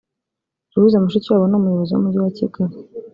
Louise Mushikiwabo n’Umuyobozi w’Umujyi wa Kigali